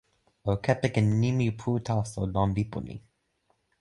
o kepeken nimi pu taso lon lipu ni.